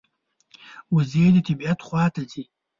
وزې د طبعیت خوا ته ځي